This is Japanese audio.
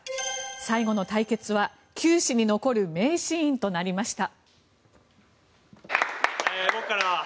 最後の対決は球史に残る名シーンとなりました。